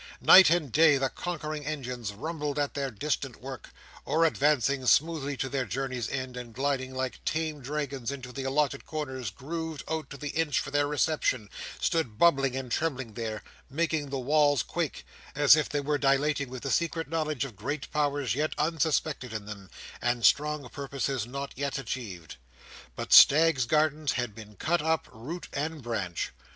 Night and day the conquering engines rumbled at their distant work, or, advancing smoothly to their journey's end, and gliding like tame dragons into the allotted corners grooved out to the inch for their reception, stood bubbling and trembling there, making the walls quake, as if they were dilating with the secret knowledge of great powers yet unsuspected in them, and strong purposes not yet achieved. But Staggs's Gardens had been cut up root and branch.